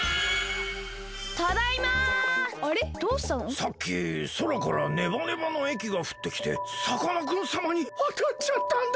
さっきそらからネバネバのえきがふってきてさかなクンさまにあたっちゃったんだ！